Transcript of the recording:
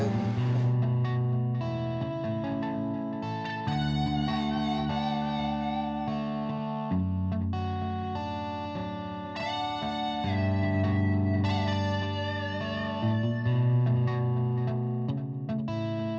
jadi maksudnya yang kemarin kemarin enggak cantik